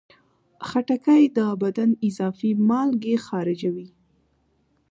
خټکی د بدن اضافي مالګې خارجوي.